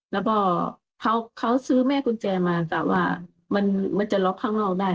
แล้วก็เขาซื้อแม่กุญแจมากะว่ามันจะล็อกข้างนอกได้